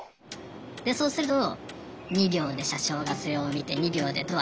でそうすると２秒で車掌がそれを見て２秒でドア閉める。